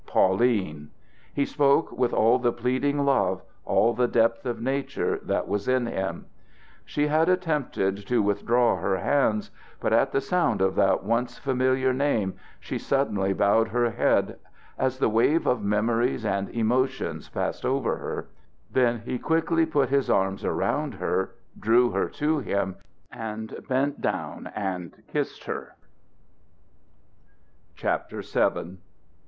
"Pauline!" He spoke with all the pleading love, all the depth of nature, that was in him. She had attempted to withdraw her hands; but at the sound of that once familiar name, she suddenly bowed her head as the wave of memories and emotions passed over her; then he quickly put his arms around her, drew her to him, and bent down and kissed her. VII.